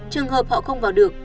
trường hợp họ không vào được